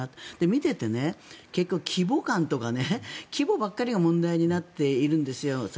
見ていて結局、規模感とか規模ばっかりが問題になっているんですよ。